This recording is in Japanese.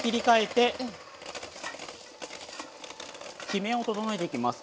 きめを整えていきます。